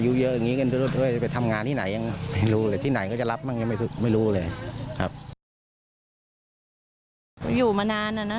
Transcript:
จะไปขายโรตเตอรี่จะดีไหมยังไม่รู้เลยลุงดูก่อน